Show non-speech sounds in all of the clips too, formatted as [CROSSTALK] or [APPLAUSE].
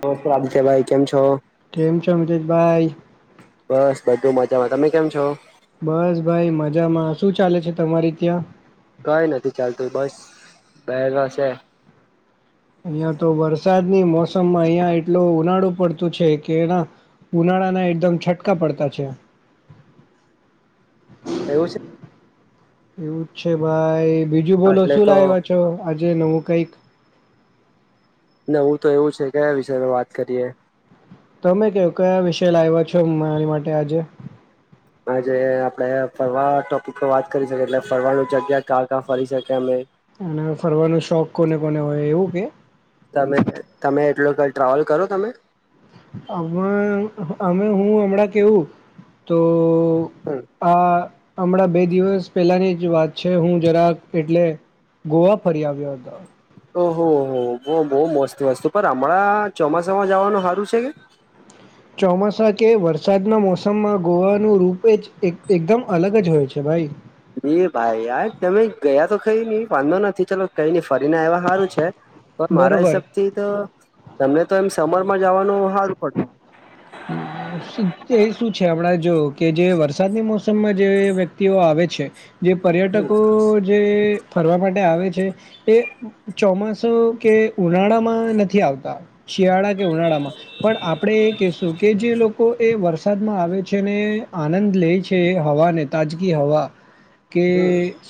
તો તો આમ કેવાય કેમ છો? કેમ છો અમજિત ભાઈ? બસ બધું મજામાં, તમે કેમ છો? બસ ભાઈ મજામાં, શું ચાલે છે તમારી ત્યાં? કઈ નથી ચાલતું બસ બેહેલા છે. અહિયાં તો વરસાદની મોસમમાં અહિયાં એટલું ઉનાળું પડતું છે કેના. ઉનાળાના એકદમ છટકા પડતા છે. એવું છે. એવું જ છે ભાઈ બીજું બોલો એટલે શું તો લાવ્યા છો આજે નવું કઈક. નવું તો એવું છે કે, કયા વિષય માં વાત કરીએ? તમે કેવ કયા વિષય લાવ્યા છો મારી માટે આજે. આજે આપડે ફરવા ટોપિક પર વાત કરી શકીએ એટલે ફરવાનું જગ્યા ક્યાં કાં ફરી શકે અમે. અને ફરવાનો શોખ કોને- કોને હોય એવું કે. તમે તમે એટલો કઈ ટ્રાવેલ કરો તમે. અમે અમે હું હમણા કેવ તો ઓ હમ. આ હમણાં બે દિવસ પહેલાની જ વાત છે, હું જરાક એટલે ગોવા ફરી આવ્યો હતો. ઓહ હો બહ બહ મસ્ત વસ્તુ પર હમણાં ચોમાસામાં જવાનું સારું છે, કે. ચોમાસા કે વરસાદના મોસમમાં ગોવાનું રૂપે જ. એક એકદમ અલગ જ હોય છે, ભાઈ. બે ભાઈ યાર તમે ગયા તો કઈ ન વાંધો નથી ચાલ કઈ નઈ ફરીને એવા સારું છે, પણ મારા બરોબર હિસાબ થી તો તમને તો એમ સમરમાં જવાનું હારુ પડતે. હમ્મ એ શું છે, આપણા જો કે જે વરસાદની મોસમમાં જે વ્યક્તિઓ આવે છે, જે પર્યટકો જે ફરવા માટે આવે છે, એ ચોમાસું કે ઉનાળામાં નથી આવતા. શિયાળા કે ઉનાળામાં પણ આપણેે એ કેશુ જે લોકો એ વરસાદમાં આવે છે, ને આનંદ લે છે, હવાને તાજગી હવા. [INAUDIBLE] કે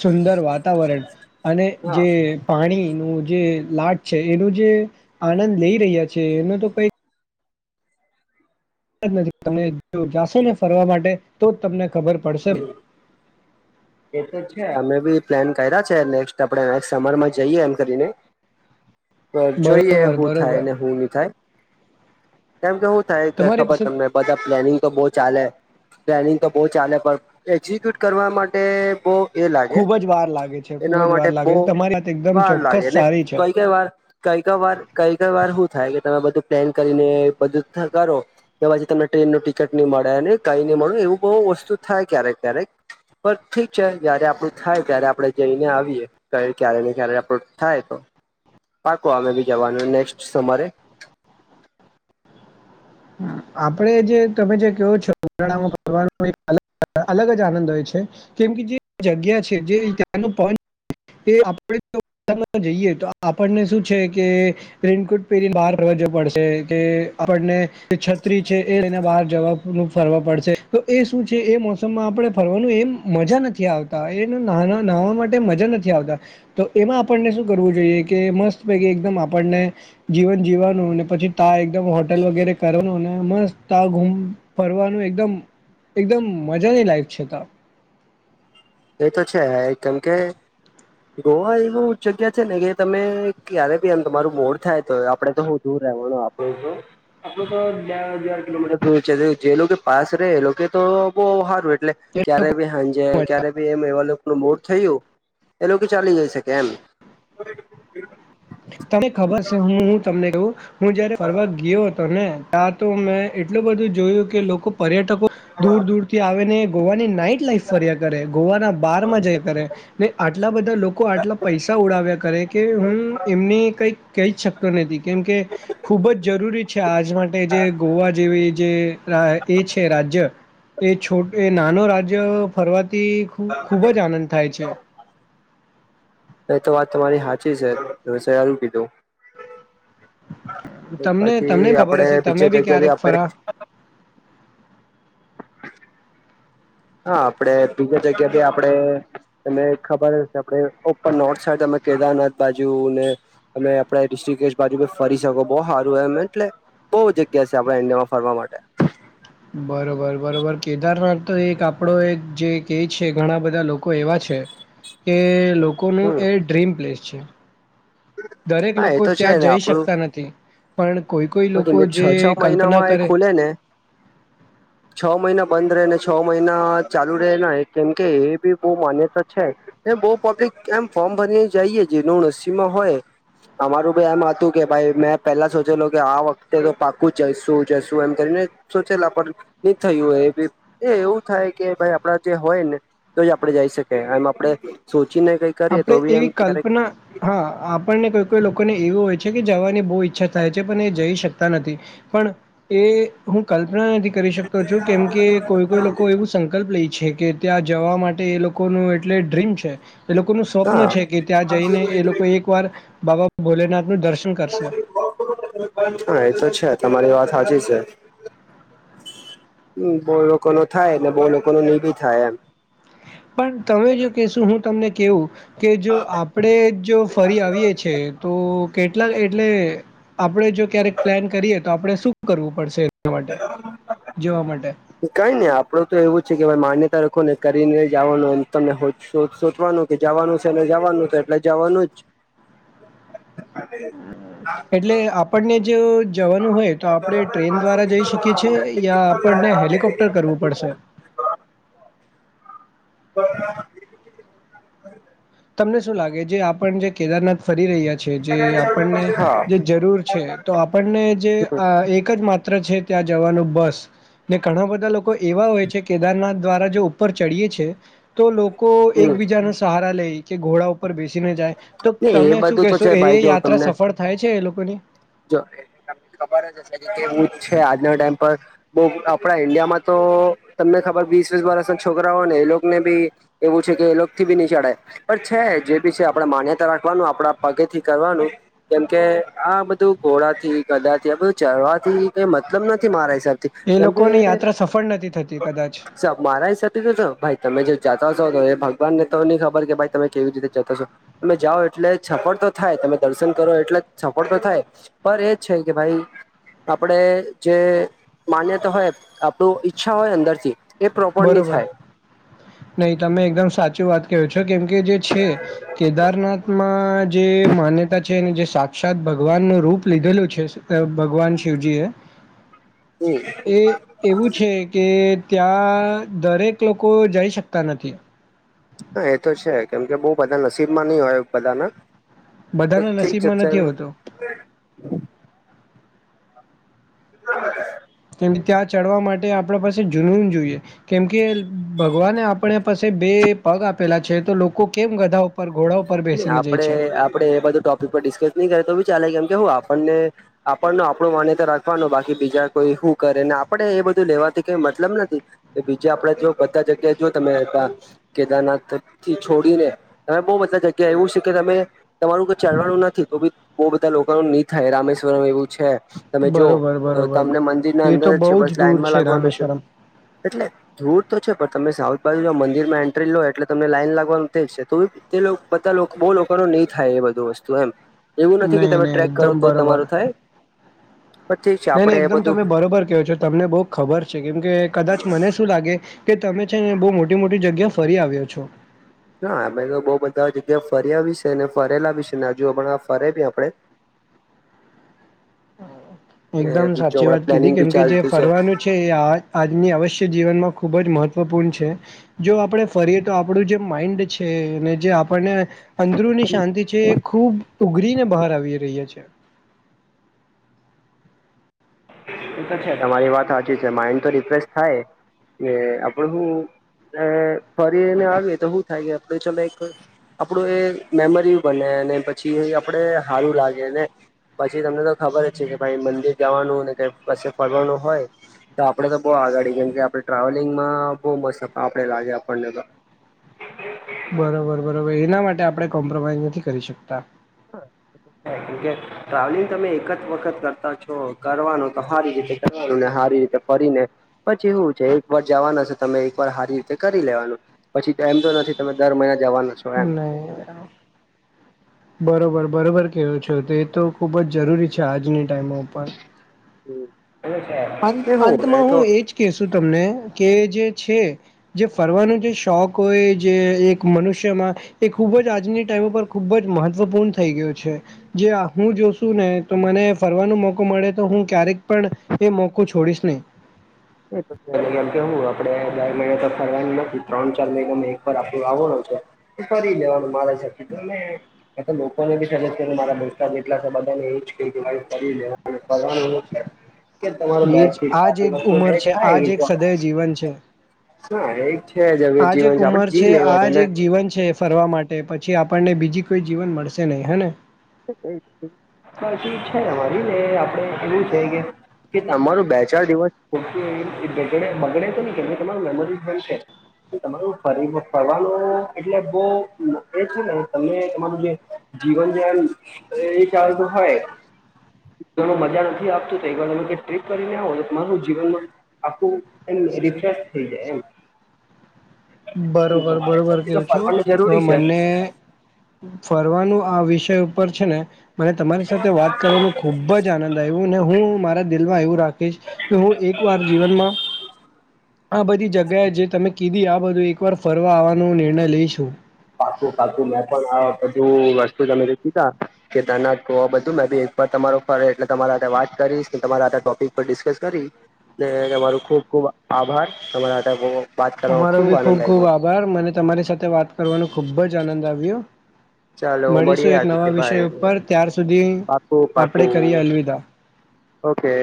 સુંદર વાતાવરણ અને હા જે છે. પાણી નું જે લાટ છે, એનો જે આનંદ લઈ રહ્યા છે, એનો તો કઈક [UNINTELLIGIBLE] તમે જો જાશો ને ફરવા માટે તો તમને ખબર પડશે. એ તો છે, અમે બી પ્લાન કર્યા છે, નેક્સ્ટ નેક્સ્ટ સમરમાં આપડે જઈએ એમ કરીને. પર જોઈએ બરોબર હું થાય બરોબર ને હું નહી થાય. કેમ કે શું થાય કે તમારી ખબર પાસે તમને બધા પ્લેનિંગ તો બહુ ચાલે પ્લેનિંગ તો બહુ ચાલે પણ એક્ઝિક્યુટ કરવા માટે તે બહ. એ લાગે ખૂબ જ વાર લાગે છે ખૂબ એના જ વાર માટે લાગે છે તમારી વાત બહ એકદમ વાર લાગે ચોક્કસ ને સારી છે કઈ કઈ વાર કઈ ક વાર કઈ ક વાર હું થાય કે તમે બધું પ્લેન કરીને બધું કરો. કે પછી તમને ટ્રેન નું ટિકિટ ની મળેને કંઈ નહી મળે એવું બહુ વસ્તુ થાય ક્યારેક ક્યારેક. પણ ઠીક છે, જયારે આપડું થાય ત્યારે આપડે જઈને આવીએ. ક્યારે ને ક્યારે આપડુ થાય તો પાકો અમે ભી જવાનું નેક્સ્ટ સમારે. આપડે જે તમે જે કવો છો [UNINTELLIGIBLE] અલગ જ આનંદ હોય છે કેમ કે જે જગ્યા છે, જે [UNINTELLIGIBLE] [UNINTELLIGIBLE] જઈએ તો આપણને શું છે કે રેન્જ કોર્ટે પેરીને બહાર ફરવા જવું પડશે એટલે આપણને છત્રી છે એ લઈને બહાર જવાનું ફરવા પડશે તો એ શું છે એ મોસમમાં આપણે ફરવાનું એમ મજા નથી આવતા એનું નાના નાવા માટે મજા નથી આવતા તો આપણને શું કરવું જોઈએ કે મસ્ત પૈકી એકદમ જીવન જીવાનું પછી તા એકદમ હોટેલ વગેરે. કરવાનુંને મસ્ત આમ ફરવાનું એકદમ એકદમ મજાની લાઈફ છે તા એ તો છે કેમ કે ગોવા એવું જગ્યા છે ને કે તમે ક્યારે બી આમ તમારું મોડ થાય તો આપડે તો [UNINTELLIGIBLE] આપડું તો બે હજાર કિલોમીટર દૂર છે, જે લોકો પાસ રે એ લોકો તો બઉ હારું એટલે. એ ક્યારે લોકો ભી હાંજે મજા ક્યારે ભી એમ એવા લોકોનું મૂડ થયું એ લોકો ચાલી જઈ છે કે એમ. તને ખબર છે હું તમને કું હું જયારે ફરવા ગયો હતો ને. તા તો મેં એટલું બધું જોયું કે લોકો પર્યટકો દૂર દૂર થી આવે ને. ગોવાની નાઈટ લાઈફ ફર્યા કરે ગોવાના બારમાં જયા કરે ને આટલા બધા લોકો આટલા પૈસા ઉડાવ્યા કરે કે હું એમને કહી શકતો નથી કેમ કે ખુબ જ જરૂરી છે આજના એ જે ગોવા જેવી જે એ છે રાજ્ય એ છોટ એ નાનો રાજ્ય ફરવાથી ખૂબ જ આનંદ થાય છે. એ તો વાત તમારી હાચી છે સયારું કીધું. તમને તમને બાકી ખબર આપડે હશે બીજે તમે બી જગ્યા ભી ક્યારેક આપડે ફરા હા આપડે બીજા જગ્યાથી આપડે તમે ખબર હશે આપડે ઓર નોર્થ સાઈડ તમે કેદારનાથ બાજુ ને તમે આપડે ડિસ્ટ્રિકજ બાજુ ફરી શકો બો હારું એમ એટલે બોઉ જગ્યા છે આપડા ઇન્ડિયામાં ફરવા માટે. બરોબર બરોબર કેદારનાથ તો એક આપડો એક જે કેય છે ઘણા બધા લોકો એવા છે. કે લોકોનું હમ એ ર્ડીમ પ્લેસ છે. દરેક હા એ લોકો તો છે ત્યાં ને જઈ આપડું શકતા નથી, પણ કોઈ કોઈ કેમ લોકો કે છ જે છ કલ્પના મહિનામાં એ કરે ખુલે ને [INAUDIBLE] છ મહિના બંધ રહે ને છ મહિના ચાલુ રહે કેમ કે એ બી બઉ માન્યતા છે. એ બો પબ્લિક એમ ફોર્મ ભર જઈએે જેનું નસીબ માં હોય અમારું ભી એમ હતું કે ભાઈ મેં પેલા સોચેલો કે આ વખતે તો પાકું જઈશું જશું એમ કરીને સોચેલા પણ ની થયું એ બી એ એવું થાય કે ભાઈ આપડા જે હોય ને તો જ આપડે જઈ શકી એમ આપડે સોચીને કઈક આપણડે એવી કલ્પના હા આપણને કોઈ કોઈ લોકોને એવું હોય છે કે જવાની બહુ ઈચ્છા થાય છે પણ એ જઈ શકતા નથી પણ એ હું કલ્પનાથી કરી શકતો છું કેમકે કોઈ કોઈ લોકો એવું સંકલ્પ લે છે કે ત્યાં જવા માટે એ લોકોનું એટલે ડ્રીમ છે. એ લોકો નું સ્વપ્ન હા છે કે ત્યાં જઈને એ લોકો એક વાર બાબા ભોલેનાથ નું દર્શન કરશે હા એતો છે, તમારી વાત હાચી છે. હમ્મ, બહુ લોકો નો થાયને બહુ લોકો ન નહી ભી થાય એમ. પણ તમે જો કહેશું હું તમને કેવું કે જો આપ આપડે જો ફરી આવીએ છીએ તો કેટલાક એટલે આપડે જો ક્યારેક પ્લાન કરીએ તો આપડે શું કરવું પડશે? એના માટે જવા માટે? કઈ ને આપડું તો એવું છે કે ભાઈ માન્યતા રાખોને કરીને જવાનુંમ તમને સોચવાનું કે જવાનું છે ને જવાનું તો એટલે જવાનું જ. એટલે આપણને જે જવાનું હોય તો આપડે ટ્રેન દ્વારા જઈ શકીએ છીએ યા આપણને હેલિકોપ્ટર કરવું પડશે? [UNINTELLIGIBLE] તમને શું લાગે, જે આપણ જે કેદારનાથ ફરી રહ્યા જે આપણને જે જરૂર છે તો આપણને જે અહ એક જ માત્ર છે. ત્યાં જવાનું બસ ને ઘણા બધા લોકો એવા હોય છે કેદારનાથ દ્વારા જો ઉપર ચડીએ છે, તો લોકો હમ એકબીજાને સહારા લે કે ઘોડા ઉપર બેસીને જાય. તો એ તમે શું બધું તો કેહેશો છે એ ભાઈ જો યાત્રા તમને સફળ થાય છે એ લોકોની? જો તમને ખબર હશે જવું જ છે આજનો ટાઈમ પર. બહ ઈન્ડિયામાં તો તમને ખબર વીસ વીસ છોકરા હોય ને એ લોકોને ભી એવું છે કે એ લોક થી બી ની ચડાય. પણ છે જે બી છે આપણેે માન્યતા રાખવાનું આપડા પગે થી કરવાનું કેમકે આ બધું તું ઘોડા થી, ગધા થી, આ બધું ચડવાથી કઈ મતલબ નથી મારા હિસાબ એ કેમકે, લોકોની યાત્રા સફળ નથી થતી કદાચ મારા હિસાબથી તો-તો જો ભાઈ તમે જે જાતા છો તો એ ભગવાન ને તો ની ખબર કે ભાઈ તમે કેવી રીતે જાતા છો. તમે જાઓ એટલે સફળ તો થાય, તમે દર્શન કરો એટલે સફળ તો થાય. પર એજ છે કે ભાઈ. આપડે જે માન્યતા હોય, આપડુ ઈચ્છા હોય અંદરથી એ પ્રોપર ની બરોબર, થાય નહી તમે એકદમ સાચું વાત કયો છો, કેમકે જે છે, કેદારનાથ માં જે માન્યતા છે એને જે સાક્ષાત ભગવાનનું રૂપ લીધેલું છે, ભગવાન શિવજીએ, [INAUDIBLE] [UNINTELLIGIBLE] એ એવું છે કે ત્યાં ત્યાં દરેક લોકો જઈ શકતા નથી. હા, એ તો છે કેમ કે બહુ બધા નસીબમાં નહી હોય બધાના બધાના ઠીક છે, નસીબમાં ચલ નથી હોતો [INAUDIBLE] [UNINTELLIGIBLE] એ ત્યાં ચડવા માટે આપડા પાસે જૂનુન જોઈએ. કેમકે ભગવાને આપડા પાસે બે પગ આપેલા છે તો લોકો કેમ ગધા ઉપર ઘોડા ઉપર ને બેસીને જાય આપડે, છે આપડે એ બધું ટોપિક પર ડિસ્કસ નહી કરે તો બી ચાલે, કેમકે આપણને આપણનો આપડુ માન્યતા રાખવાનું બાકી બીજા કોઈ શું કરે ને આપે એ બધું લેવાથી કઈ મતલબ નથી. બીજે આપડે જો બધા જગ્યાએ જો તમે કેદારનાથથી છોડીને તમે બહુ બધા જગ્યા કે એવું છે કે તમે, તમારું કઈ ચાલવાનું નથી તો બી બધા લોકોનૂ નિ થાય, રામેશ્વર એવું છે. તમે જો બરોબર તો બરોબર તમને મંદિરના એ અંદર તો જ છે, બહુ બસ દૂર લાઈનમાં લાગવાનું છે રામેશ્વરમ એટલે ધૂર તો છે, પણ તમે સાઉથ બાજુ જો મંદિર માં એન્ટ્રી લો, એટલે તમને લાઈન લાગવાનું તે જ છે તો, એ લો બધા લો, બહુ લોકોનું નહી થાય, એ બધું વસ્તુ એમ એવું નથી કે નહી તમે નહી ટ્રેક કરો એકદમ તો બરોબર તમારું થાય, પણ ઠીક છે નહી નહી આપડે એ એકદમ બધું તમે બરોબર કયો છો. તમને બહુ ખબર છે, કેમ કે કદાચ મને શું લાગે કે તમે છે ને બહુ મોટી-મોટી જગ્યા ફરી આવ્યો છો. હા, અમે તો બહુ બધા જગ્યાએ ફર્યા બી છે ને, ફરેલા બી છે ને જુઓ પણ ફરે ભી આપડે [INAUDIBLE] ને એકદમ બીજું સાચી હમણાં વાત કીધી, પ્લાનિંગ બી કેમ કે જે ચાલતું ફરવાનું છે, એ આ આજની અવશ્ય જીવનમાં ખૂબ જ મહત્ત્વપૂર્ણ છે. જો આપણેે ફરીએ તો આપણું જે માઈન્ડ છે, જે આપણને અંદરુની શાંતિ છે, એ ખૂબ ઉઘરીને બહાર આવી રહી છે. એ તો છે, તમારી વાત સાચી છે, માઈન્ડ તો રિફ્રેશ થાય. ને આપડે શું, ને ફરી ને આવીએ તો શું થાય, આપડે ચાલ આપણું એ મેમરી બને ને, પછી આપણેે હારું લાગે ને પછી તમને તો ખબર જ છે કે ભાઈ મંદિર જવાનું ને, પછી ફરવાનું હોય. તો આપડે તો બહુ આગાડી કેમ કે, આપડે ટ્રાવેલિંગમાં બહુ મસ આપણે લાગે, આપણને તો બરોબર-બરોબર એના માટે આપણે કોમ્પ્રોમાઈઝ નથી કરી શકતા. [INAUDIBLE] ટ્રાવેલિંગ તમે એક જ વખત કરતા છો, કરવાનું તો સારી રીતે કરવાનું ને સારી રીતે ફરીને પછી એવું છે, એક વાર જવાનું છે તમે એક વાર સારી રીતે કરી લેવાનું પછી એમ તો નથી તમે દર મહિના જવાના છો, એમ હા, એ બરાબર બરોબર-બરોબર કેવો છો, તે તો ખૂબ જ જરૂરી છે, આજની ટાઈમ ઉપર હમ્મ, [UNINTELLIGIBLE] કેવું એ તો કેશું તમને, કે જે છે જે ફરવાનો જે શોખ હોય, જે એક મનુષ્યમાં એ ખૂબ જ આજની ટાઈમ ઉપર ખુબ જ મહત્વપૂર્ણ થઈ ગયું છે. જે આ હું જોશું ને તો મને ફરવાનો મોકો મળે તો, હું ક્યારેક પણ એ મોકો છોડીશ નહીં. એ તો એ કેમ કે હું આપડે બાર મહિના તો ફરવાનું નથી, ત્રણ-ચાર મહિના એક વાર આપણું આવવાનું છે. ફરી લેવાનું મારે શકી અને એ તો લોકોને બી સજેસ્ટ કરું, મારા ભ્રષ્ટા કેટલા છે, મતલબ એ જ કરી લે ભગવાન એવું છે કે, તમાર નહીં એ બેગ જ થી આ ચાર જ એક દિવસ ઉંમર [UNINTELLIGIBLE] છે આ જ એક સદય જીવન છે હા, એ છે જ હવે જરુરી આ એ જીવન એક છે, ઉંમર આપડે જી આ લેવાનું ને જ એક જીવન છે ફરવા માટે પછી, આપણને બીજી કોઈ જીવન મળશે નહીં હે ને પછી છે ને મારી ને આપણેે એવું છે કે કે તમારું બે-ચાર દિવસ ખોુંગડે બગડે છે ને કે એમ તમાર મેમરી બનશે તમારું ફરી ફરવાનું એટલે બહ એ છે ને તમે તમારું જે જીવન જેમ એ ચાલતું હોય. મજા નથી આપતું તો એક વાર તમે ટ્ર્રીપ કરીને આવો, તમારું જીવનમાં આખું એમ રિફેશ થઈ જાય છે, એમ તમારે બરોબર-બરોબર કેવ છું, ફરવાનું તો જરૂરી છે મને ફરવાનું આ વિષય ઉપર છે ને મને તમારી સાથે વાત કરવાનો ખુબ જ આનંદ આવ્યું અને હું મારા... દલવા એવું રાખીશ કે હું એક વાર જીવનમાં... આ બધી જગ્યાએ જે તમે કીધી આ બધી એક વાર ફરવા આવવાનો નિર્ણય લઈશું. પાકું પાકું મેં પણ આવા પછી રસ્તો તમે [UNINTELLIGIBLE] કેદારનાથ કહ બધું મેં ભી એક વાર તમારો ફરે એટલે તમારા સાથે વાત કરીશ તમારા ટોપિક પર ડિસ્કસ કરીશ. તમારું ખુબ ખુબ આભાર તમારા હાથે વાત કરવામાં ખુબ આનંદ આયવો. પણ મને તમારી સાથે વાત કરવાનું ખુબ જ આનંદ આવ્યો. ચાલો મળીશું મળીએ એક નવા આદિત્યભાઈ વિષય ઉપર ત્યાર સુધી પાકું આપણેે પાકું કરીએ અલવિદા. ઓકે.